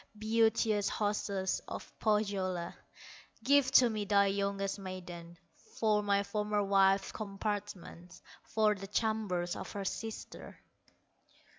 Beauteous hostess of Pohyola, Give to me thy youngest maiden, For my former wife's compartments, For the chambers of her sister."